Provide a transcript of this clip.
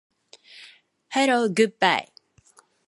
ハローグッバイ